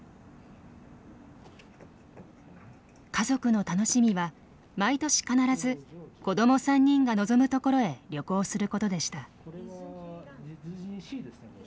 家族の楽しみは毎年必ず子ども３人が望む所へ旅行することでした。